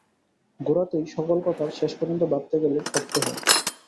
গোড়াতেই সকল কথার শেষ পর্যন্ত ভাবতে গেলে ঠকতে হয়।